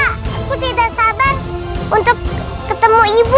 aku tidak sabar untuk ketemu ibu